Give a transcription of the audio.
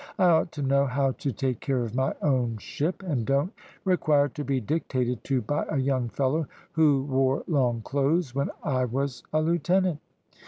I ought to know how to take care of my own ship, and don't require to be dictated to by a young fellow who wore long clothes when I was a lieutenant."